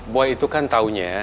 boy itu kan taunya